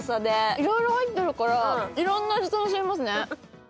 いろいろ入ってるから、いろんな味楽しめますね。